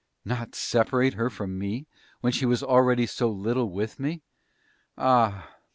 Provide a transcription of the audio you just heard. Not separate her from me when she was already so little with me! Ah!